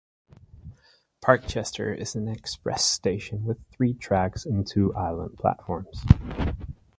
Parkchester is an express station with three tracks and two island platforms.